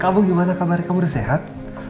kamu gimana kabar kamu udah sehat